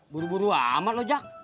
buru buru amat loh jak